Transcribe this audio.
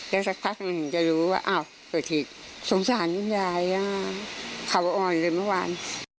แล้วสักพักจะรู้ว่าอ้าวเผื่อถิดสงสารนิดหน่ายขาวอ่อนเลยเมื่อวาน